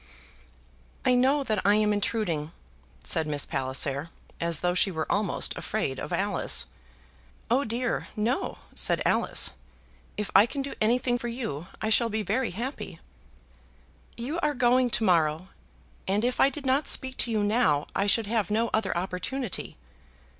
"I know that I am intruding," said Miss Palliser, as though she were almost afraid of Alice. "Oh dear, no," said Alice. "If I can do anything for you I shall be very happy." "You are going to morrow, and if I did not speak to you now I should have no other opportunity.